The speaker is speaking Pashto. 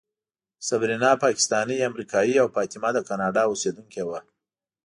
صبرینا پاکستانۍ امریکایۍ او فاطمه د کاناډا اوسېدونکې وه.